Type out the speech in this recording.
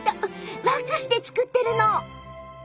ワックスで作ってるの！